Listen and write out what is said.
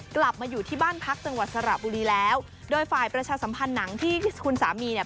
กลับมาอยู่ที่บ้านพักจังหวัดสระบุรีแล้วโดยฝ่ายประชาสัมพันธ์หนังที่คุณสามีเนี่ย